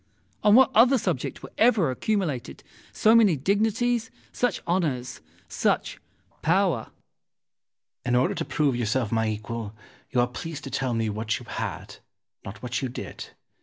On what other subject were ever accumulated so many dignities, such honours, such power? Ximenes. In order to prove yourself my equal, you are pleased to tell me what you had, not what you did.